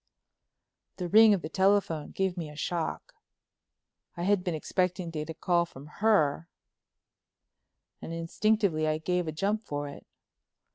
"The ring of the telephone gave me a shock. I had been expecting to get a call from her and instinctively I gave a jump for it.